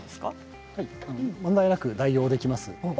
問題なく代用できます。